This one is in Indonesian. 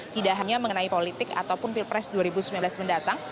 tidak hanya mengenai politik ataupun pilpres dua ribu sembilan belas mendatang